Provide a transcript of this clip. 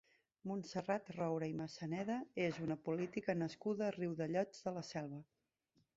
Montserrat Roura i Massaneda és una política nascuda a Riudellots de la Selva.